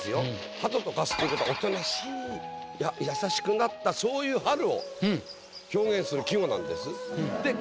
鳩と化すっていう事はおとなしい優しくなったそういう春を表現する季語なんです。